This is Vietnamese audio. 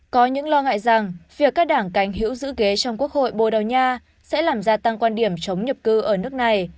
có những lo ngại rằng việc các đảng cánh hữu giữ ghế trong quốc hội bồ đào nha sẽ làm gia tăng quan điểm chống nhập cư ở nước này